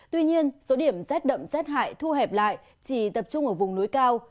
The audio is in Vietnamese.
tuy nhiên số điểm rét đậm rét hại thu hẹp lại chỉ tập trung ở vùng núi cao